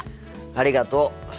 ありがとう。